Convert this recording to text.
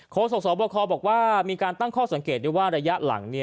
โศกสบคบอกว่ามีการตั้งข้อสังเกตด้วยว่าระยะหลัง